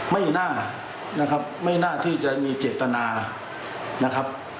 ไม่น่านะครับไม่น่าที่จะมีเจตนานะครับ